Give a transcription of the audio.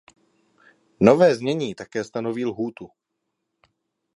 Nové znění také stanoví lhůtu.